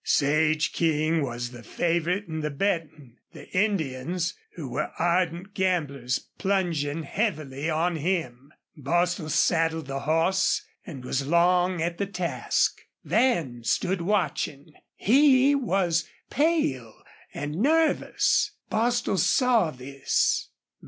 Sage King was the favorite in the betting, the Indians, who were ardent gamblers, plunging heavily on him. Bostil saddled the horse and was long at the task. Van stood watching. He was pale and nervous. Bostil saw this.